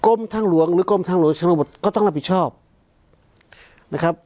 กรมทางหลวงหรือกรมทางหลวงชนบทก็ต้องรับผิดชอบนะครับ